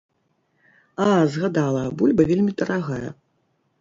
А, згадала, бульба вельмі дарагая.